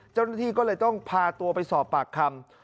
เจ้าหน้าที่ก็เลยต้องพาตัวไปสอบปากคำ